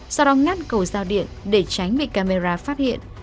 sau đó ngắt cầu giao điện để tránh bị camera phát hiện